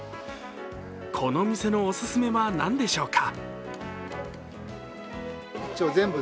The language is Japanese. この店のオススメは何でしょうか？